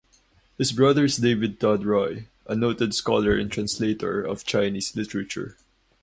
His brother is David Tod Roy, a noted scholar and translator of Chinese literature.